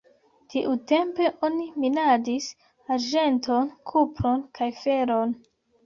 Tiutempe oni minadis arĝenton, kupron kaj feron.